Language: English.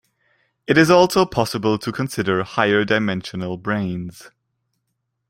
It is also possible to consider higher-dimensional branes.